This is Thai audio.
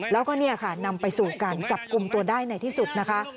แล้วก็เนี่ยค่ะนำไปสู่การจับกลุ่มตัวได้ในที่สุดนะคะ